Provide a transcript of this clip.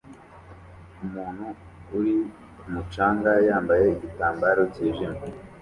Umuntu uri ku mucanga yambaye igitambaro cyijimye